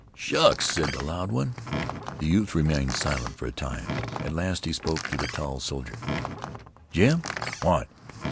"Shucks!" said the loud one. The youth remained silent for a time. At last he spoke to the tall soldier. "Jim!" "What?"